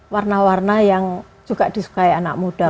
warna warna yang juga disukai anak muda